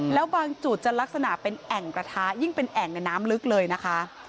แล้วบางจุดจะลักษณะเป็นแอ่งกระทะยิ่งเป็นแอ่งในน้ำลึกเลยนะคะ